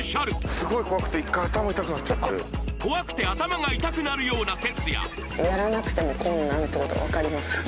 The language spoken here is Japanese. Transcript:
すごい怖くて一回頭痛くなっちゃって怖くて頭が痛くなるような説ややらなくても困難ってことが分かりますよね